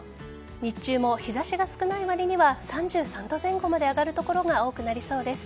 日中も日差しが少ないわりには３３度前後まで上がる所が多くなりそうです。